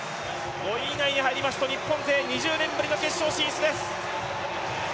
５位以内に入りますと、日本勢２０年ぶりの決勝進出です。